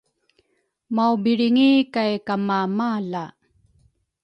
maubilringi kay kamamala.